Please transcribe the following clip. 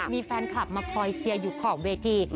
มีแฟนคลับมาคอยเชียร์อยู่ขอบเวที